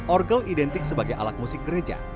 orgel identik sebagai alat musik gereja